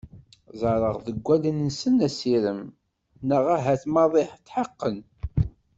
Ẓerreɣ deg wallen-nsen asirem neɣ ahat maḍi tḥeqqen.